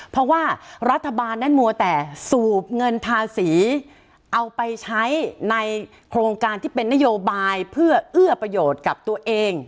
เพราะว่ารัฐบาลนั้นมัวแต่สูบเงินภาษีเอาไปใช้ในโครงการที่เป็นนโยบายเพื่อเอื้อประโยชน์กับตัวเอง